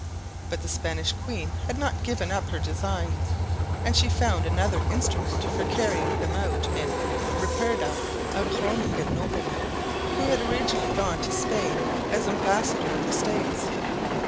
But the Spanish queen had not given up her designs, and she found another instrument for carrying them out in Ripperda, a Groningen nobleman, who had originally gone to Spain as ambassador of the States.